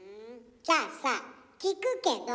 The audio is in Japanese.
じゃあさ聞くけど。